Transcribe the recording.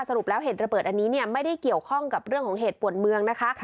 สรุปแล้วเหตุระเบิดอันนี้เนี่ยไม่ได้เกี่ยวข้องกับเรื่องของเหตุปวดเมืองนะคะ